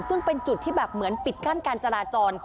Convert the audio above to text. ซึ่งเป็นจุดที่แบบเหมือนปิดกั้นการจราจร